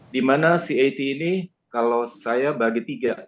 dimana cat ini kalau saya bagi tiga